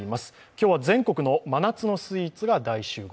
今日は全国の真夏のスイーツが大集合。